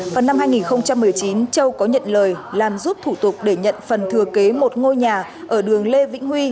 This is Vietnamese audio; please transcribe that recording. vào năm hai nghìn một mươi chín châu có nhận lời làm giúp thủ tục để nhận phần thừa kế một ngôi nhà ở đường lê vĩnh huy